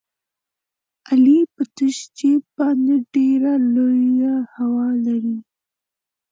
علي په تش جېب باندې ډېره لویه هوا لري.